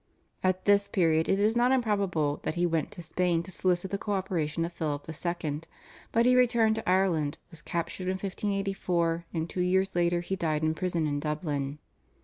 At this period it is not improbable that he went to Spain to solicit the co operation of Philip II., but he returned to Ireland, was captured in 1584, and two years later he died in prison in Dublin.